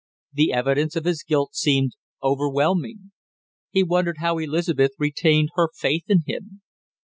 The evidence of his guilt seemed overwhelming; he wondered how Elizabeth retained her faith in him.